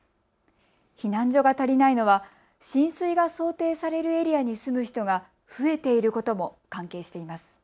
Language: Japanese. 避難所が足りないのは浸水が想定されるエリアに住む人が増えていることも関係しています。